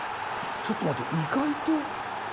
ちょっと待って意外と。